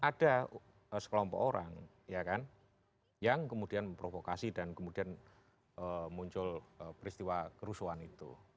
ada sekelompok orang ya kan yang kemudian provokasi dan kemudian muncul peristiwa kerusuhan itu